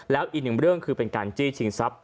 แล้วอีกหนึ่งเรื่องคือเป็นการจี้ชิงทรัพย